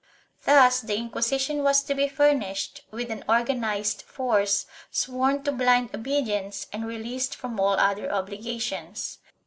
Thus the Inquisition was to be furnished with an organized force, sworn to blind obedience and released from all other obligations.